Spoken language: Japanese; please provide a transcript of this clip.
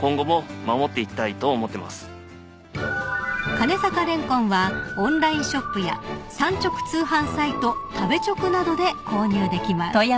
［金坂蓮魂はオンラインショップや産直通販サイト食べチョクなどで購入できます］